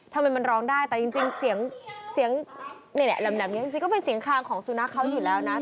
ทำไมมันร้องได้แต่จริงเสียงนี่แหละแหลมนี้จริงก็เป็นเสียงคลางของสุนัขเขาอยู่แล้วนะ